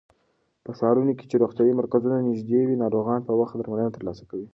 په ښارونو کې چې روغتيايي مرکزونه نږدې وي، ناروغان په وخت درملنه ترلاسه کوي.